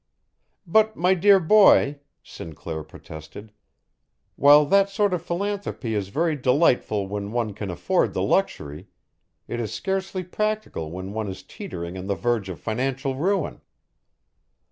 "But my dear boy," Sinclair protested, "while that sort of philanthropy is very delightful when one can afford the luxury, it is scarcely practical when one is teetering on the verge of financial ruin.